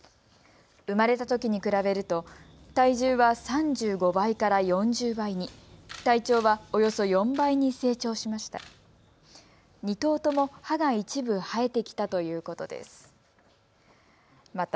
生まれたときに比べると体重は３５倍から４０倍に、体長はおよそ４倍に成長しました。